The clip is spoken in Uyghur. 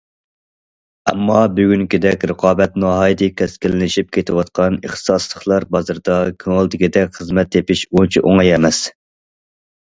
ئەمما بۈگۈنكىدەك رىقابەت ناھايىتى كەسكىنلىشىپ كېتىۋاتقان ئىختىساسلىقلار بازىرىدا كۆڭۈلدىكىدەك خىزمەت تېپىش ئۇنچە ئوڭاي ئەمەس.